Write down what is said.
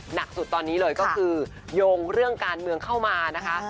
หนักสุดตอนนี้เลยก็คือโยงเรื่องการเมืองเข้ามานะคะ